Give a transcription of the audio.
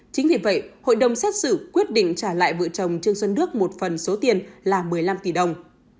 chính vì vậy hội đồng xét xử quyết định trả lại vợ chồng trương xuân đức một phần số tiền là một mươi năm tỷ đồng